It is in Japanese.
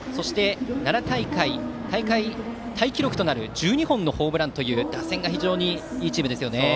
奈良大会大会タイ記録となる１２本のホームランという打線がいいチームですね。